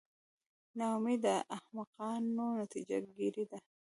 نا امیدي د احمقانو نتیجه ګیري ده.